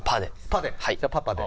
じゃあ「パ」で。